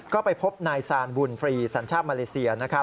ก็ไปพบนายซานบุญฟรีสัญชาติมาเลเซีย